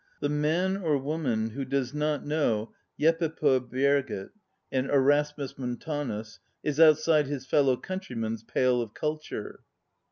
The man or woman who does not know " Jeppe paa Bjerget" and "Erasmus Mon tanus " is outside his fellow country men's pale of culture.